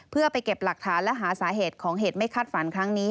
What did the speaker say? เพื่อไปเก็บหลักฐานและหาสาเหตุของเหตุไม่คาดฝันครั้งนี้